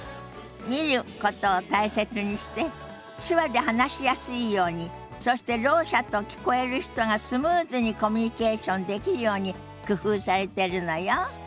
見ることを大切にして手話で話しやすいようにそしてろう者と聞こえる人がスムーズにコミュニケーションできるように工夫されてるのよ。